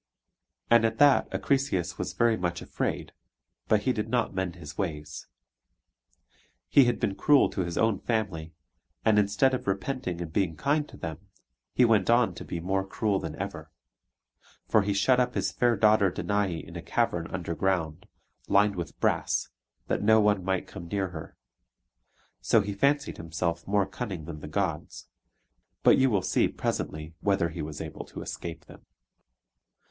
And at that Acrisius was very much afraid; but he did not mend his ways. He had been cruel to his own family, and, instead of repenting and being kind to them, he went on to be more cruel than ever: for he shut up his fair daughter Danae in a cavern underground, lined with brass, that no one might come near her. So he fancied himself more cunning than the gods: but you will see presently whether he was able to escape them.